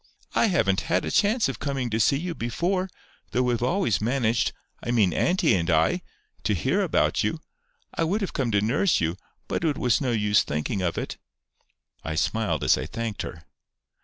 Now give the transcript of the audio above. "I haven't had a chance of coming to see you before; though we've always managed—I mean auntie and I—to hear about you. I would have come to nurse you, but it was no use thinking of it." I smiled as I thanked her.